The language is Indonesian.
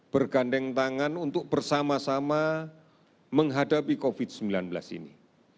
bergandeng tangan untuk bersama sama menghadapi covid sembilan belas ini